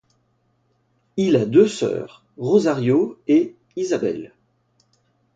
Il a deux sœurs Rosario et Isabel.